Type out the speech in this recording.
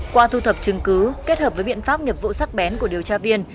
qua thu thập chứng cứ kết hợp với biện pháp nghiệp vụ sắc bén của điều tra viên